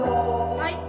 はい。